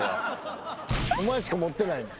お前しか持ってないねん。